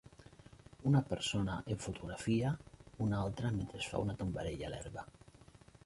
Una persona en fotografia una altra mentre fa una tombarella a l'herba.